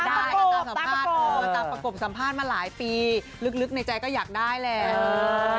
ตามประกบเราตามประกบสัมภาษณ์มาหลายปีลึกในใจก็อยากได้แหละเอ่อ